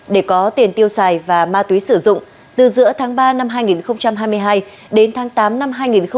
để có tiền tiêu xài và ma túy sử dụng từ giữa tháng ba năm hai nghìn hai mươi hai đến tháng tám năm hai nghìn hai mươi ba